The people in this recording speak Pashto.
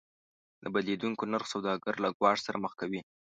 د بدلیدونکي نرخ سوداګر له ګواښ سره مخ کوي.